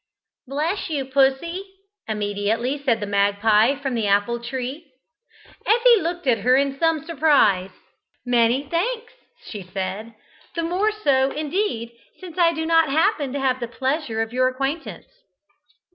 "Bless you, Pussy," immediately said the magpie from the apple tree. Effie looked at her in some surprise. "Many thanks," she said; "the more so, indeed, since I do not happen to have the pleasure of your acquaintance."